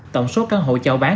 tổng số căn hộ chào bán